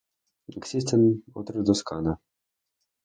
Existen otros dos kana.